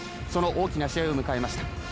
その大きな試合を迎えました。